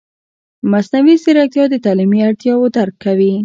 مصنوعي ځیرکتیا د تعلیمي اړتیاوو درک کوي.